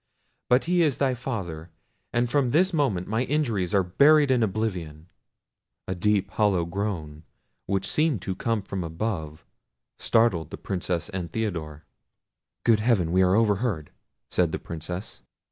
But he is thy father, and from this moment my injuries are buried in oblivion." A deep and hollow groan, which seemed to come from above, startled the Princess and Theodore. "Good heaven! we are overheard!" said the Princess.